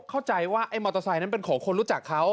เข้าใจว่าไอ้มอเตอร์ไซค์นั้นเป็นของคนรู้จักเขา